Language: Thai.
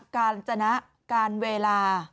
การจรรท้ายการเวลา